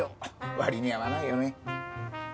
割に合わないよね。